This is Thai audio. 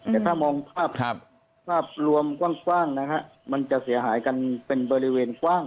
แต่ถ้ามองภาพรวมกว้างนะฮะมันจะเสียหายกันเป็นบริเวณกว้าง